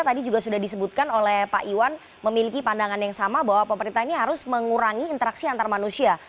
tadi juga sudah disebutkan oleh pak iwan memiliki pandangan yang sama bahwa pemerintah ini harus mengurangi interaksi antar manusia